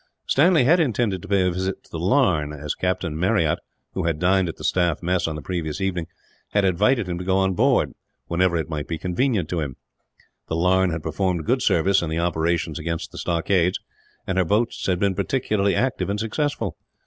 Stanley had intended to pay a visit to the Larne; as Captain Marryat, who had dined at the staff mess on the previous evening, had invited him to go on board, whenever it might be convenient to him. The Larne had performed good service, in the operations against the stockades; and her boats had been particularly active and successful.